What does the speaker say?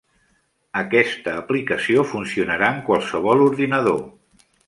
Aquesta aplicació funcionarà en qualsevol ordinador.